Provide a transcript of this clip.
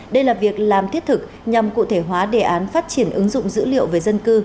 đây là việc làm thiết thực nhằm cụ thể hóa đề án phát triển ứng dụng dữ liệu về dân cư